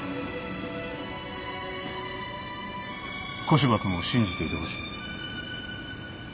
古芝君を信じていてほしい。